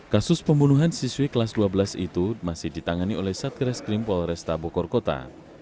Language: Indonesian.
kasus pembunuhan siswi kelas dua belas itu masih ditangani oleh satgereskrim polresta bukorkota